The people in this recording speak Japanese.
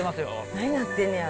何なってんねやろ。